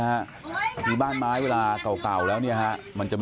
ติดเตียงได้ยินเสียงลูกสาวต้องโทรศัพท์ไปหาคนมาช่วย